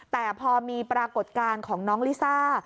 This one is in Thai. แต่พอมีปรากฏการณ์ของน้องลิซ่า